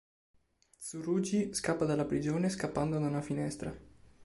Tsurugi scappa dalla prigione scappando da una finestra.